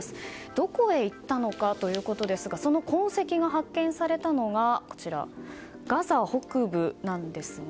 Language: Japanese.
どこへ行ったのかということですがその痕跡が発見されたのがガザ北部なんですね。